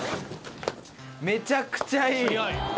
めちゃくちゃいい！